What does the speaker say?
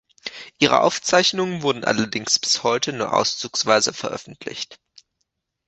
Ihre Aufzeichnungen wurden allerdings bis heute nur auszugsweise veröffentlicht.